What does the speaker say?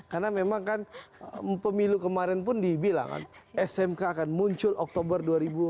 karena memang kan pemilu kemarin pun dibilang kan smk akan muncul oktober dua ribu delapan belas